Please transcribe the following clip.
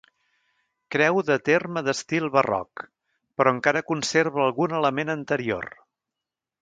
Creu de terme d'estil barroc, però encara conserva algun element anterior.